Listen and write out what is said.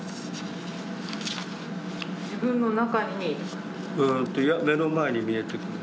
・自分の中に？いや目の前に見えてくる。